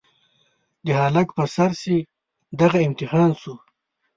د هلک په سر چې دغه امتحان شو.